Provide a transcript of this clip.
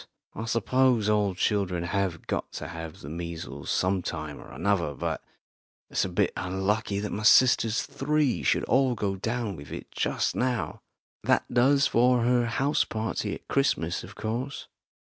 I suppose all children have got to have the measles some time or another; but it's a bit unlucky that my sister's three should all go down with it just now. That does for her house party at Christmas, of course."